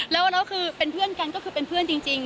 แล้วคือเป็นเพื่อนกันก็คือเป็นเพื่อนจริง